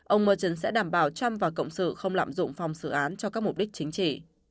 ông merson sẽ đảm bảo trump và cộng sự không lạm dụng phòng xử án cho các mục đích chính trị